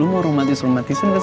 lu mau rheumatis reumatisan ke semua